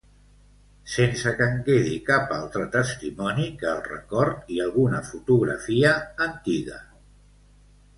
sense que en quedi cap altre testimoni que el record i alguna fotografia antiga